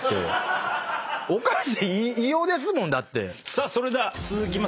さあそれでは続きます。